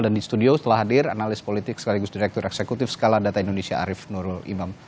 dan di studio setelah hadir analis politik sekaligus direktur eksekutif skala data indonesia arief nurul imam